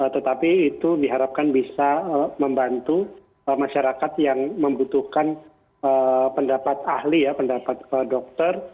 tetapi itu diharapkan bisa membantu masyarakat yang membutuhkan pendapat ahli ya pendapat dokter